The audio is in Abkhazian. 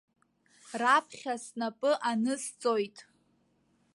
Раԥхьа снапы анысҵоит!